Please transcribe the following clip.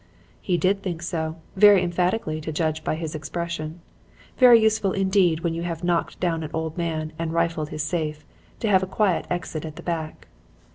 "He did think so; very emphatically, to judge by his expression. Very useful indeed when you have knocked down an old man and rifled his safe, to have a quiet exit at the back.